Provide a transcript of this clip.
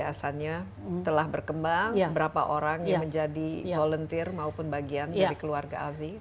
biasanya telah berkembang berapa orang yang menjadi volunteer maupun bagian dari keluarga azi